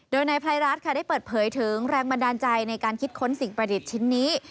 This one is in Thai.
โดยนายภัยรัฐค่ะได้เปิดเผยถึงแรงบันดาลใจในการคิดค้นสิ่งประดิษฐ์ชิ้นนี้